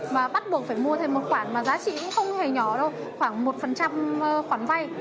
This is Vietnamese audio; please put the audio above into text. mà bắt buộc phải mua thêm một khoản mà giá trị cũng không hề nhỏ đâu khoảng một khoản vay